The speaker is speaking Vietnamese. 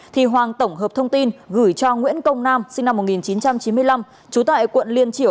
thì hoàng tổng hợp thông tin gửi cho nguyễn công nam sinh năm một nghìn chín trăm chín mươi năm trú tại quận liên triểu